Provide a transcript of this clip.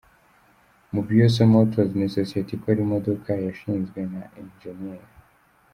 Mobius Motors ni sosiyete ikora imodoka yashinzwe na Eng.